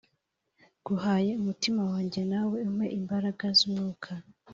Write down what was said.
Nguhaye umutima wanjye nawe umpe imbaraga z’umwuka